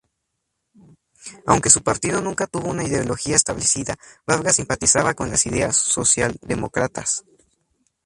Aunque su partido nunca tuvo una ideología establecida, Vargas simpatizaba con las ideas socialdemócratas.